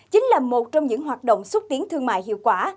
chính là một trong những hoạt động xúc tiến thương mại hiệu quả